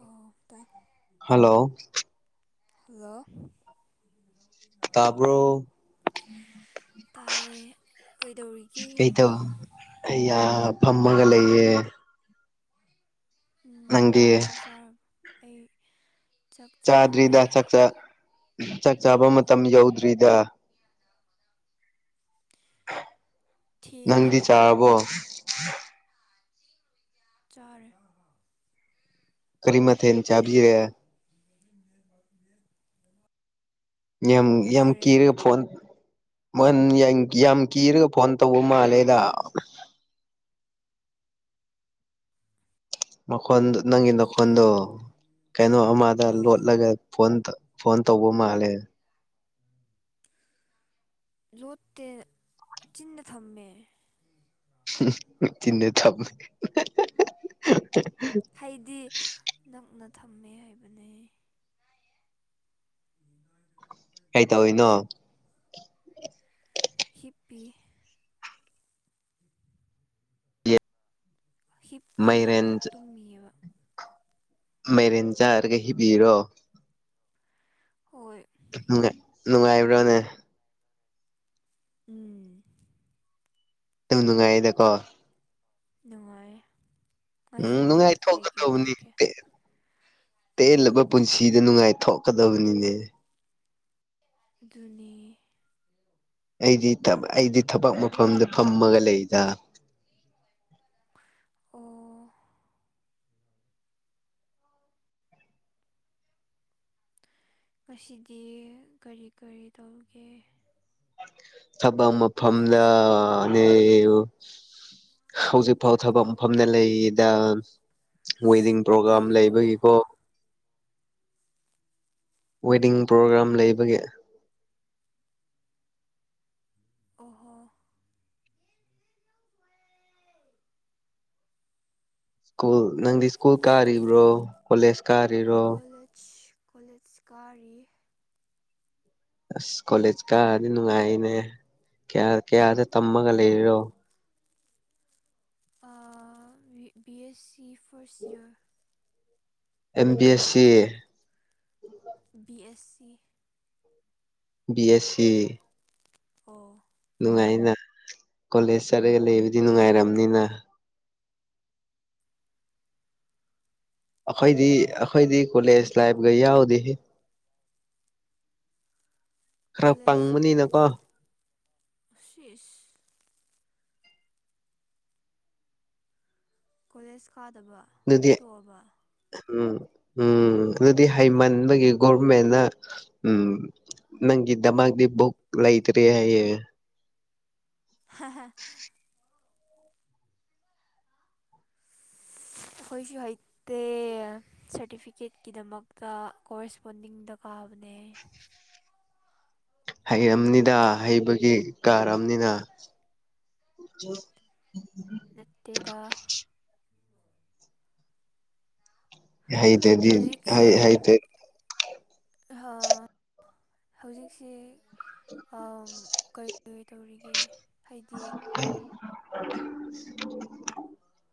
ꯑꯣ ꯇꯥꯏ hello hello ꯇꯄꯣ ꯇꯥꯏ ꯀꯩꯗꯧꯔꯤꯒꯤ ꯀꯩꯇꯧ ꯐꯝꯃꯒ ꯂꯩꯌꯦ ꯅꯪꯗꯤ ꯆꯣꯛꯆꯥ ꯑꯩ ꯆꯥꯛ ꯆꯥꯕ ꯆꯥꯗ꯭ꯔꯤꯗ ꯆꯥꯛ ꯆꯥꯛ ꯆꯥꯕ ꯂꯣꯏꯔ ꯃꯇꯝ ꯉꯥꯏꯔꯦ ꯌꯧꯗ꯭ꯔꯤꯗ ꯅꯪꯗꯤ ꯊꯦꯡꯉꯤꯅ ꯆꯥꯔꯕꯣ ꯆꯔ ꯀꯔꯤꯃꯊꯦꯜ ꯆꯥꯕꯤꯔꯦ ꯌꯥꯝ ꯌꯥꯝ ꯃꯥꯏꯔꯦꯟ ꯀꯤꯔꯒ ꯐꯣꯟ ꯃ ꯌꯥꯝ ꯌꯥꯝ ꯀꯤꯔꯒ ꯐꯟ ꯇꯧꯕꯃꯟ ꯂꯦꯗꯥ ꯃꯈꯣꯟ ꯅꯪꯒꯤ ꯃꯈꯣꯟꯗꯣ ꯀꯩꯅꯣ ꯑꯃꯗ ꯑꯣ ꯂꯣꯠꯂꯒ ꯐꯣꯟ ꯐꯣꯟ ꯇꯧꯕ ꯃꯥꯜꯂꯦ ꯂꯣꯠꯇꯦ ꯆꯤꯟꯅ ꯊꯝꯃꯦ ꯆꯤꯟꯗ ꯊꯝꯃꯦ ꯍꯥꯏꯗꯤ ꯅꯪꯅ ꯀꯩ ꯇꯧꯋꯤꯅꯣ ꯍꯤꯞꯄꯤ ꯃꯥꯏꯔꯦꯟ ꯍꯤꯞꯄꯤꯑꯕ ꯇꯨꯝꯃꯤꯑꯕ ꯃꯦꯔꯦꯟ ꯆꯥꯔꯒ ꯍꯤꯕꯤꯔꯣ ꯍꯣꯏ ꯅꯨꯡꯉꯥꯏ ꯅꯨꯡꯉꯥꯏꯕ꯭ꯔꯣꯅꯦ ꯎꯝ ꯑꯗꯨꯝ ꯅꯨꯡꯉꯥꯏꯗꯀꯣ ꯅꯨꯡꯉꯥꯏ ꯎꯝ ꯉꯁꯤꯗꯤ ꯀꯔꯤ ꯀꯔꯤ ꯅꯨꯡꯉꯥꯏꯊꯣꯛꯀꯗꯧꯕꯅꯤ ꯇꯧꯒꯦ ꯇꯦꯜꯂꯕ ꯄꯨꯟꯁꯤꯗ ꯅꯨꯡꯉꯥꯏ ꯊꯣꯛꯀꯗꯕꯅꯤꯅꯦ ꯑꯗꯨꯅꯤ ꯑꯩꯗꯤ ꯑꯩꯗꯤ ꯊꯕꯛ ꯃꯐꯝꯗ ꯐꯝꯃꯒ ꯂꯩꯗ [inaudible] ꯃꯁꯤꯗꯤ ꯀꯔꯤ ꯀꯔꯤ ꯇꯧꯒꯦ ꯊꯕꯛ ꯑꯃꯐꯝꯗꯅꯦ ꯍꯧꯖꯤꯛ ꯐꯥꯎ ꯊꯕꯛ ꯃꯐꯝꯗ ꯂꯩꯔꯤꯗ ꯋꯦꯗꯤꯡ ꯄ꯭ꯔꯣꯒꯥꯝ ꯀꯩ ꯊꯕꯛꯅꯣ ꯂꯩꯕꯒꯤꯀꯣ ꯋꯦꯗꯤꯡ ꯄ꯭ꯔꯣꯒ꯭ꯔꯥꯝ ꯂꯩꯕꯒꯦ ꯑꯣꯍꯣ ꯁꯀꯨꯜ ꯅꯪꯗꯤ ꯁꯀꯨꯜ ꯀꯥꯔ ꯏꯕ꯭ꯔꯣ ꯀꯣꯂꯦꯖ ꯀꯥꯔꯤꯔꯣ ꯀꯣꯂꯦꯖ ꯀꯣꯂꯦꯖ ꯀꯥꯔꯤ ꯑꯁ ꯀꯣꯂꯦꯖ ꯀ ꯑꯗꯨꯅꯨꯡꯉꯥꯏꯅꯦ ꯀꯌꯥ ꯀꯌꯥꯗ ꯇꯝꯃꯒ ꯂꯩꯔꯤꯔꯣ ꯑ B S C first year M B S C B S C B S C ꯑꯣ ꯅꯨꯡꯉꯥꯏꯅ ꯀꯣꯂꯦꯖ ꯆꯠꯂꯂꯩ ꯑꯗꯨꯗꯤ ꯅꯨꯡꯉꯥꯏꯔꯝꯅꯤꯅ ꯑꯩꯈꯣꯏꯗꯤ ꯑꯩꯈꯣꯏꯗꯤ ꯀꯣꯂꯦꯖ ꯂꯥꯏꯕ ꯀ ꯌꯥꯎꯗꯦꯍ‌ꯦ ꯈꯔ ꯄꯪꯕꯅꯤꯅꯀꯣ ꯁꯤꯏꯁ ꯀꯣꯂꯦꯖ ꯀꯥꯗꯕ ꯑꯗꯨꯗꯤ ꯇꯣꯛꯑꯕ ꯎꯝ ꯎꯝ ꯑꯗꯨꯗꯤ ꯍꯩꯃꯟꯕꯒꯤ ꯒꯣꯔꯚꯔꯃꯦꯟꯅ ꯎꯝ ꯅꯪꯒꯤ ꯗꯃꯗꯤꯕꯨꯛ ꯂꯏꯇ꯭ꯔ‌ꯦ ꯍꯥꯏꯌ‌ꯦ ꯍ ꯍ [unintelligible] ꯑꯩꯈꯣꯏꯁꯨ ꯍꯩꯇꯦ ꯁꯥꯔꯇꯤꯐꯤꯀꯦꯠꯀꯤ ꯗꯃꯛꯇ ꯀꯣꯔꯦꯁꯄꯣꯟꯗꯤꯡꯗ ꯀꯥꯕꯅꯦ ꯅ‌ꯦ ꯍꯩꯔꯝꯅꯤꯗ ꯍꯩꯕꯒꯤ ꯀꯥꯝꯔꯃꯤꯅ [unintelligible] ꯅꯠꯇꯦꯗ ꯍꯩꫪꯗꯤ ꯍꯩ ꯍꯩ ꯇꯔ ꯑꯍ ꯍꯧꯖꯤꯛꯁꯤ ꯑꯝ ꯀꯩ ꯀꯩ ꯀꯩ ꯇꯧꯔꯤꯒꯦ ꯍꯥꯏꯗꯤ [unintelligible]